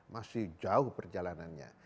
masih jauh perjalanannya